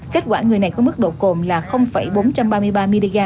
kết quả người này có mức độ cồn là bốn trăm ba mươi ba mg